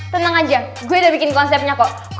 tenang aja gue udah bikin konsepnya kok